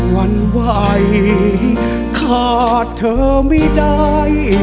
วันไหวขาดเธอไม่ได้